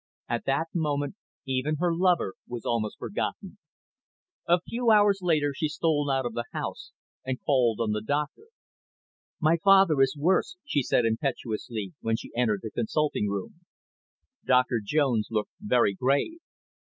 At that moment even her lover was almost forgotten. A few hours later, she stole out of the house, and called on the doctor. "My father is worse," she said impetuously, when she entered the consulting room. Doctor Jones looked very grave.